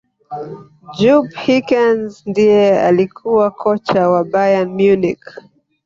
jupp hyckens ndiye alikuwa kocha wa bayern munich